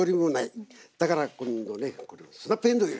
だから今度ねこのスナップえんどう入れる。